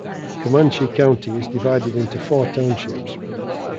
Comanche County is divided into four townships.